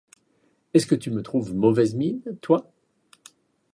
Est-ce que tu me trouves mauvaise mine, toi ?